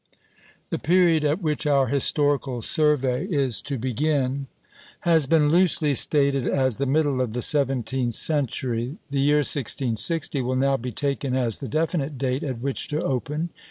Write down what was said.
The period at which our historical survey is to begin has been loosely stated as the middle of the seventeenth century. The year 1660 will now be taken as the definite date at which to open.